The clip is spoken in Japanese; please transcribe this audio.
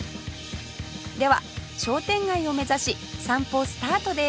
では商店街を目指し散歩スタートです